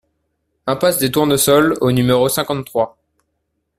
IMPASSE DES TOURNESOLS au numéro cinquante-trois